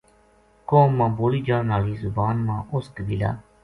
قوم ما بولی جان ہالی زبان ما اُس قبیلہ